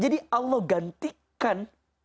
jadi allah gantikan